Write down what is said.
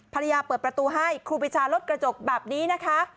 เปิดประตูให้ครูปีชาลดกระจกแบบนี้นะคะ